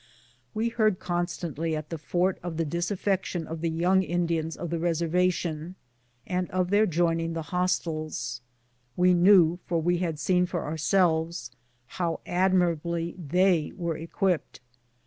We heard constantly at the Fort of the disaffection of 12 266 BOOTS AND SADDLES. the young Indians of the reservation, and of their join ing the hostiles. We knew, for we liad seen for our selves, how adnairablj they were equipped.